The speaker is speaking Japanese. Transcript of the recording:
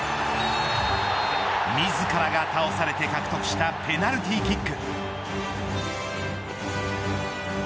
自らが倒されて獲得したペナルティーキック。